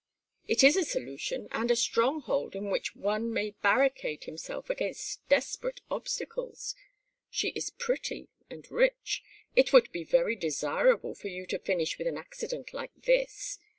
It is a solution, and a stronghold, in which one may barricade himself against desperate obstacles. She is pretty and rich! It would be very desirable for you to finish with an accident like this!